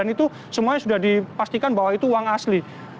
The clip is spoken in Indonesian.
itu semuanya sudah dipastikan bahwa itu uang asli